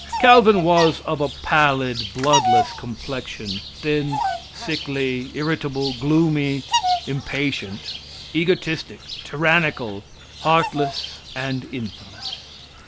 Calvin was of a pallid, bloodless complexion, thin, sickly, irritable, gloomy, impatient, egotistic, tyrannical, heartless and infamous.